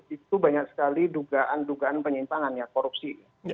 itu banyak sekali dugaan dugaan penyimpangan ya korupsi